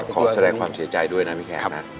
ขอแสดงความเสียใจด้วยนะพี่แขกนะ